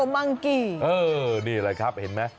มังกี้นี่แหละครับเห็นมั้ย